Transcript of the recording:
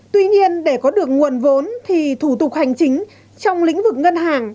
tuy nhiên để có được nguồn vốn thì thủ tục hành chính trong lĩnh vực ngân hàng